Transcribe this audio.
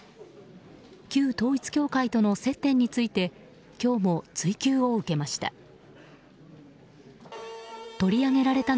旧統一教会との接点について今日も追及を受けました。